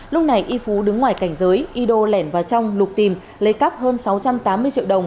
lúc này y phú đứng ngoài cảnh giới y đô lẻn vào trong lục tìm lấy cắp hơn sáu trăm tám mươi triệu đồng